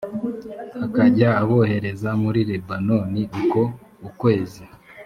akajya abohereza muri lebanoni uko ukwezi